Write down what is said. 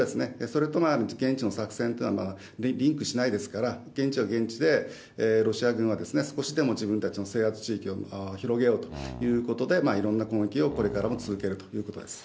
それと現地の作戦というのはリンクしないですから、現地は現地でロシア軍は少しでも自分たちの制圧地域を広げようということで、いろんな攻撃をこれからも続けるということです。